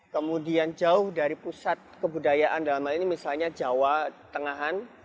kemudian jauh dari pusat kebudayaan dalam hal ini misalnya jawa tengahan